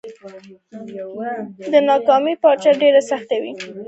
د ناکامۍ ريښې هم په ځينو ساده تجربو کې دي.